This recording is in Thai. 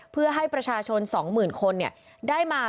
เพื่อให้ประชาชนสองหมื่นคนได้มา